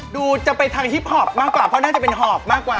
ดูจะไปทางฮิปหอบมากกว่าเพราะน่าจะเป็นหอบมากกว่า